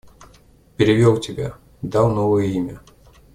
Перевел тебя, дал новое имя.